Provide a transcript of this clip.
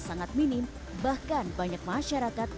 sangat minim bahkan banyak masyarakat